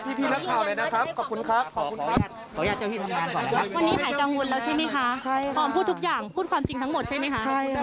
ทีนี้แซนก่อนที่เรารับทราบว่าจะต้องมาจำลอง